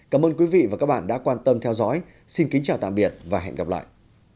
cảm ơn quý vị đã theo dõi xin kính chào tạm biệt và hẹn gặp lại